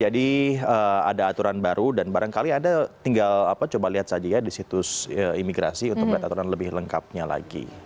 ada aturan baru dan barangkali ada tinggal coba lihat saja ya di situs imigrasi untuk melihat aturan lebih lengkapnya lagi